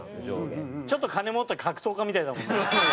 ちょっと金持った格闘家みたいだもんね。